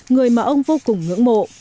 người mà ông vô cùng ngưỡng mộ